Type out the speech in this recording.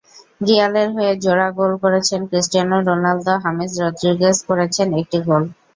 রিয়ালের হয়ে জোড়া গোল করেছেন ক্রিস্টিয়ানো রোনালদো, হামেস রদ্রিগেজ করেছেন একটি গোল।